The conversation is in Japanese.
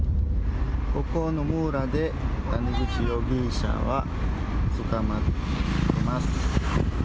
ここの村で谷口容疑者は捕まっています。